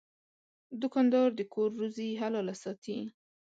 دوکاندار د کور روزي حلاله ساتي.